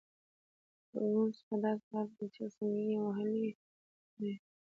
فرګوسن په داسي حال کي چي سلګۍ يې وهلې وویل.